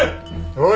おい。